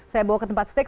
saya bawa ke tempat steak